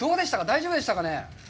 大丈夫でしたかね？